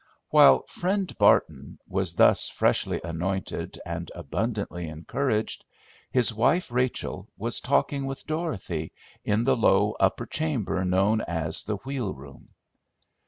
While Friend Barton was thus freshly anointed, and "abundantly encouraged," his wife, Rachel, was talking with Dorothy, in the low upper chamber known as the "wheel room."